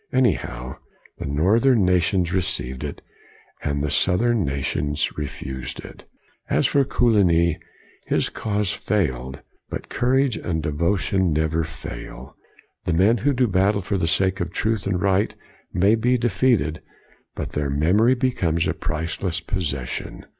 Anyhow, the northern nations received it, and the south ern nations refused it. As for Coligny, his cause failed; but courage and devotion never fail. The men who do battle for the sake of truth and right may be defeated, but their memory becomes a priceless possession.